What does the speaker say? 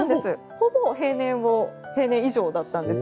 ほぼ平年以上だったんです。